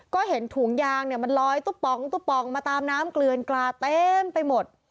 ก็เห็นถุงยางเนี่ยมันลอยตุ๊ปป๋องตุ๊ปปองมาตามน้ำเกลือนกลาเต็มไปหมด